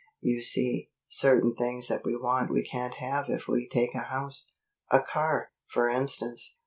You see, certain things that we want we can't have if we take a house a car, for instance.